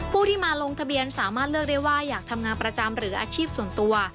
ผู้ที่มาลงทะเบียนสามารถเลือกได้ว่าอยากทำงานประจำหรืออาชีพส่วนตัว